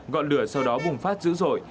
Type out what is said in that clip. gọn lửa sau đó bùng phát dữ dội